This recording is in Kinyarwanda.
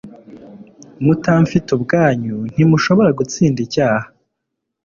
Mutamfite ubwanyu ntimushobora gutsinda icyaha